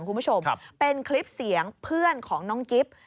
คุณผู้ชมเป็นคลิปเสียงเพื่อนของน้องกิฟต์